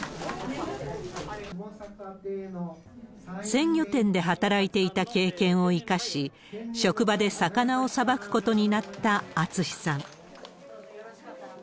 鮮魚店で働いていた経験を生かし、職場で魚をさばくことになった厚さん。